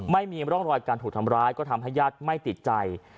ไม่มีร่องรอยการถูกทำร้ายก็ทำให้ญาติไม่ติดใจ